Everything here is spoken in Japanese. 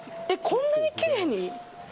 こんなにきれいに？